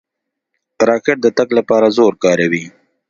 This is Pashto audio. راکټ د تګ لپاره زور کاروي.